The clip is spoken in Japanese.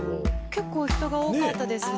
結構人が多かったですね。